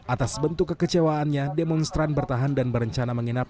atas bentuk kekecewaannya demonstran bertahan dan berencana menginap